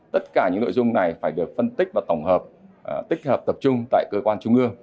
tất cả những nội dung này phải được phân tích và tổng hợp tích hợp tập trung tại cơ quan trung ương